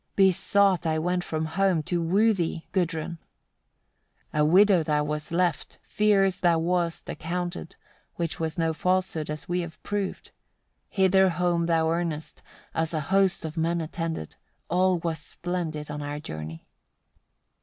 Besought I went from home, to woo thee, Gudrun! 92. A widow thou was left, fierce thou wast accounted, which was no falsehood, as we have proved. Hither home thou earnest, us a host of men attended; all was splendid on our journey.